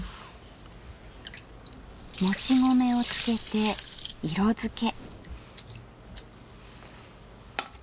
もち米をつけて色付け。